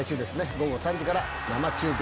午後３時から生中継です。